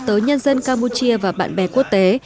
tới nhân dân campuchia và bạn bè quốc tế